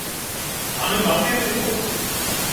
আমি বাঁচিয়েছি তোমায়।